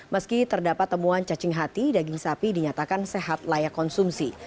meski terdapat temuan cacing hati daging sapi dinyatakan sehat layak konsumsi